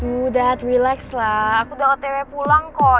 udah relax lah aku udah otw pulang kok